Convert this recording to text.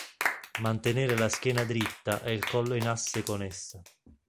Mantenere la schiena dritta e il collo in asse con essa.